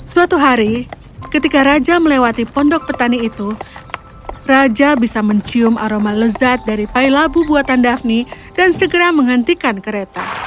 suatu hari ketika raja melewati pondok petani itu raja bisa mencium aroma lezat dari pailabu buatan daphne dan segera menghentikan kereta